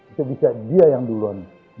itu bisa dia yang duluan